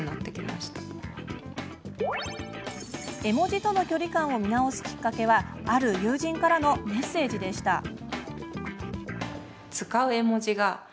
絵文字との距離感を見直すきっかけは、ある友人からのメッセージでした。